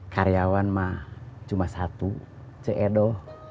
karyawan mah cuma satu c edo